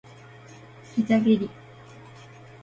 膝蹴り